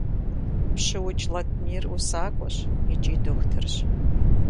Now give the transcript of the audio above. ПщыукӀ Латмир усакӀуэщ икӀи дохутырщ.